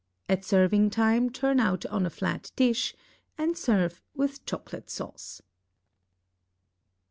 At serving time turn out on a flat dish, and serve with chocolate sauce.